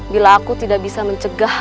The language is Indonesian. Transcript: bila aku tidak bisa mencegah